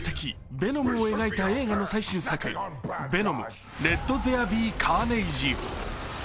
・ヴェノムを描いた映画の最新作、「ヴェノム：レット・ゼア・ビー・カーネイジ」。